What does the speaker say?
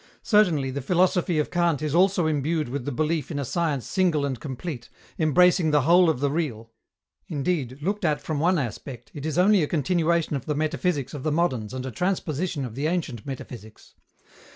Certainly, the philosophy of Kant is also imbued with the belief in a science single and complete, embracing the whole of the real. Indeed, looked at from one aspect, it is only a continuation of the metaphysics of the moderns and a transposition of the ancient metaphysics.